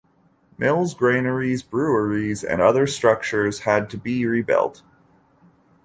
Mills, granaries, breweries and other structures had to be rebuilt.